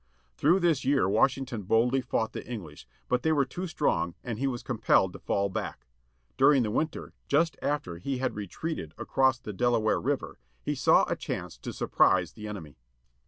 Through this year Washington boldly fought the English, but they were too strong, and he was compelled to fall back. During the winter, just after he had retreated across the Delaware River, he saw a j' â¢ chance to surprise the enemy.